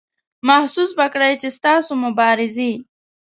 محسوس به کړئ چې ستاسو مبارزې.